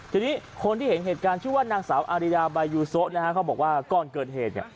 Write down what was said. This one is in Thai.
ทีนี้คนที่เห็นเหตุการณ์ชื่อว่านางสาวอาริดาบายูโซะนะฮะเขาบอกว่าก่อนเกิดเหตุเนี่ย